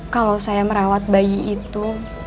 kalau saya merawat bayi itu